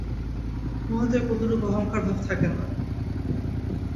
উহাতেও কোনরূপ অহংভাব থাকে না।